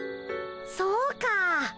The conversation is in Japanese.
そうか。